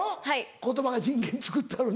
言葉は人間つくったのに。